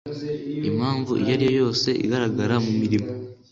impamvu iyo ariyo yose igaragara mu mirimo